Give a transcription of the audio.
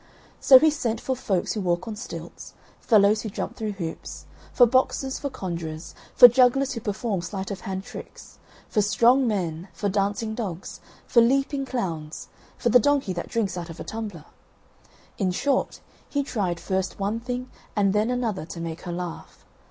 So he sent for folks who walk on stilts, fellows who jump through hoops, for boxers, for conjurers, for jugglers who perform sleight of hand tricks, for strong men, for dancing dogs, for leaping clowns, for the donkey that drinks out of a tumbler in short, he tried first one thing and then another to make her laugh.